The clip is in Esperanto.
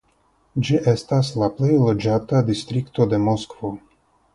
Ĝi estas la plej loĝata distrikto de Moskvo.